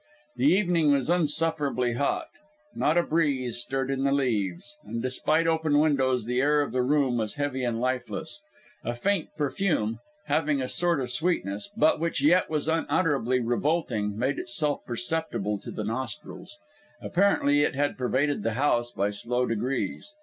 The evening was insufferably hot; not a breeze stirred in the leaves; and despite open windows, the air of the room was heavy and lifeless. A faint perfume, having a sort of sweetness, but which yet was unutterably revolting, made itself perceptible to the nostrils. Apparently it had pervaded the house by slow degrees.